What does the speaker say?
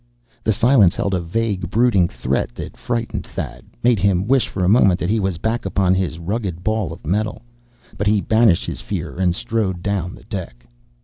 The silence held a vague, brooding threat that frightened Thad, made him wish for a moment that he was back upon his rugged ball of metal. But he banished his fear, and strode down the deck.